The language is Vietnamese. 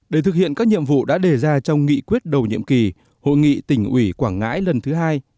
để thực hiện các nhiệm vụ đã đề ra trong nghị quyết đầu nhiệm kỳ hội nghị tỉnh ủy quảng ngãi lần thứ hai